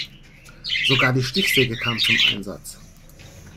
Sogar die Stichsäge kam zum Einsatz.